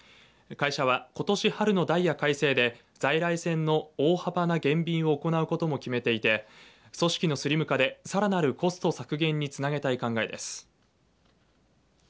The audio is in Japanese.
会社がことし春のダイヤ改正で在来線の大幅な減便を行うことも決めていて組織のスリム化でさらなるコスト削減につなげたい考えです。